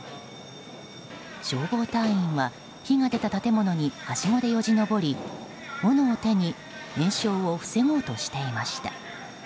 消防隊員は火が出た建物にはしごでよじ登りおのを手に延焼を防ごうとしていました。